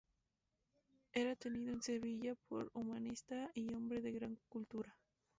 Era tenido en Sevilla por humanista y hombre de gran cultura.